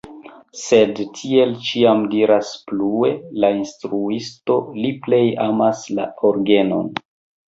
Sed, tiel ĉiam diras plue la instruisto, li plej amas la orgenon.